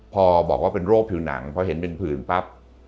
พอบอกว่าเป็นโรคผิวหนังพอเห็นเป็นผืนปั๊บ